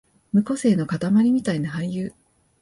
無個性のかたまりみたいな俳優